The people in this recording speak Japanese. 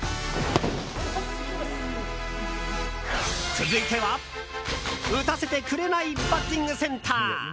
続いては、打たせてくれないバッティングセンター。